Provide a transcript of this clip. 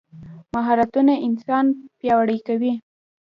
مهارتونه انسان پیاوړی کوي.